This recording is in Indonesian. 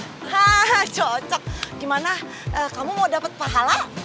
hah cocok gimana kamu mau dapat pahala